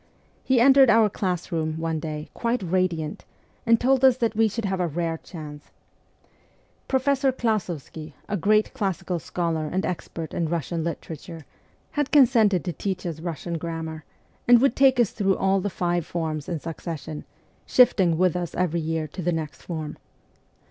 He entered our class room, one day, quite radiant, and told us that we should have a rare chance. Professor Klas6vsky, a great classical scholar and expert in Bussian literature, had consented to teach us Bussian grammar, and would take us through all the five forms THE CORPS OF PAGES 99 in succession, shifting with us every year to the next form.